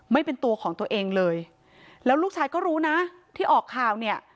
ไม่เป็นตัวของตัวเองเลยแล้วลูกชายก็รู้นะที่ออกข่าวเนี่ย